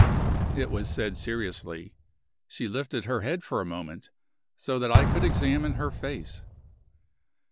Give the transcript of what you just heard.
It was said seriously. She lifted her head for a moment, so that I could examine her face.